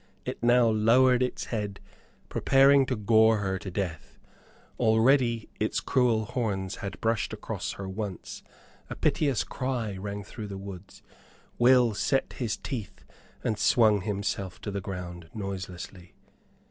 It now lowered its head, preparing to gore her to death. Already its cruel horns had brushed across her once. A piteous cry rang through the woods. Will set his teeth, and swung himself to the ground noiselessly.